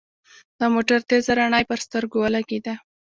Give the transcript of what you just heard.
د موټر تېزه رڼا يې پر سترګو ولګېده.